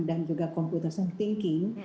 dan juga komputasi thinking